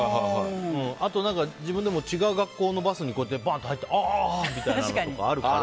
あと、自分でも違う学校のバスに入っちゃってバンと入ってああみたいなのとかあるから。